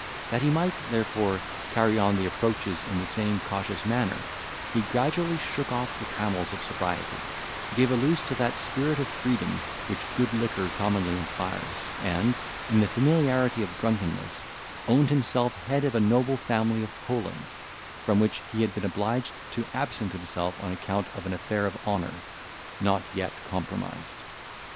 That he might, therefore, carry on the approaches in the same cautious manner, he gradually shook off the trammels of sobriety, gave a loose to that spirit of freedom which good liquor commonly inspires, and, in the familiarity of drunkenness, owned himself head of a noble family of Poland, from which he had been obliged to absent himself on account of an affair of honour, not yet compromised.